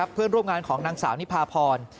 เพื่อนร่วมงานของนางสาวนิพาพร